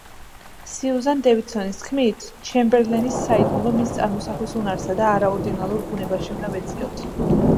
სიუზან დევიდსონის თქმით ჩემბერლენის საიდუმლო მის წარმოსახვის უნარსა და არაორდინალურ ბუნებაში უნდა ვეძებოთ.